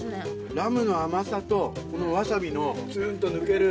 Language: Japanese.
ラムの甘さとこのワサビのツンと抜ける。